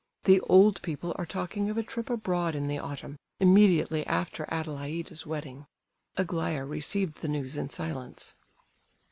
The old people are talking of a trip abroad in the autumn, immediately after Adelaida's wedding; Aglaya received the news in silence."